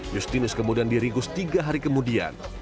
justinus kemudian diringkus tiga hari kemudian